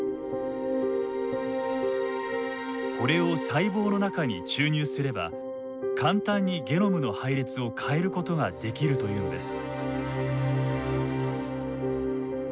これを細胞の中に注入すれば簡単にゲノムの配列を変えることができるというのです。